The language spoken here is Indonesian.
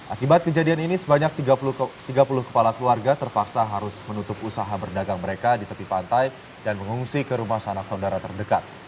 akibat kejadian ini sebanyak tiga puluh kepala keluarga terpaksa harus menutup usaha berdagang mereka di tepi pantai dan mengungsi ke rumah sanak saudara terdekat